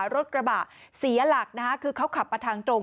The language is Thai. รถกระบะเสียหลักนะคะคือเขาขับมาทางตรง